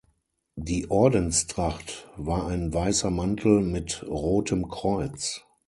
Die Ordenstracht war ein weißer Mantel mit rotem Kreuz.